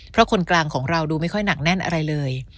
เพราะคนกลางของเราดูไม่ค่อยหนักแน่นอะไรเลย